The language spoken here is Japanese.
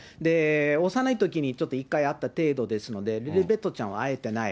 幼いときにちょっと１回会った程度ですので、リリベットちゃんは会えてない。